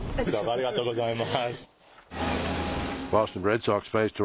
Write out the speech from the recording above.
ありがとうございます。